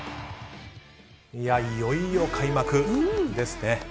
いよいよ開幕ですね。